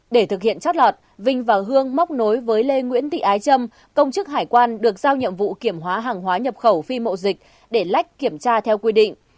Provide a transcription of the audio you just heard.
để thực hiện chót lọt vinh và hương móc nối với lê nguyễn thị ái trâm công chức hải quan được giao nhiệm vụ kiểm hóa hàng hóa nhập khẩu phi mậu dịch để lách kiểm tra theo quy định